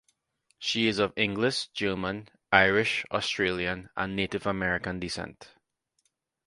She is of English, German, Irish, Australian and Native American descent.